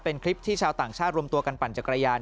เป็นคลิปที่ชาวต่างชาติรวมตัวกันปั่นจักรยาน